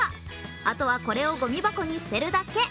あとはこれをゴミ箱に捨てるだけ。